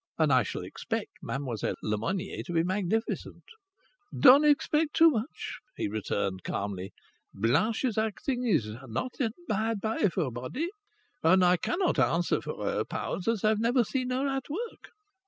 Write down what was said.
And I shall expect Mademoiselle Lemonnier to be magnificent." "Don't expect too much," he returned calmly. "Blanche's acting is not admired by everybody. And I cannot answer for her powers, as I've never seen her at work."